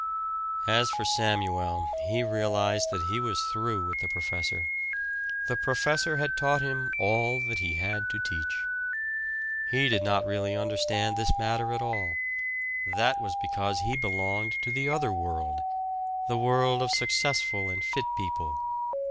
As for Samuel, he realized that he was through with the professor. The professor had taught him all that he had to teach. He did not really understand this matter at all that was because he belonged to the other world, the world of successful and fit people.